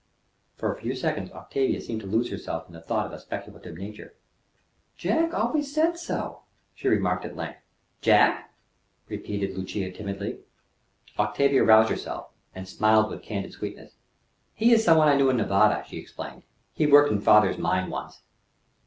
For a few seconds Octavia seemed to lose herself in thought of a speculative nature. "Jack always said so," she remarked at length. "Jack!" repeated Lucia timidly. Octavia roused herself, and smiled with candid sweetness. "He is some one I knew in Nevada," she explained. "He worked in father's mine once."